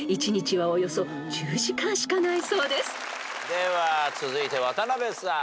では続いて渡辺さん。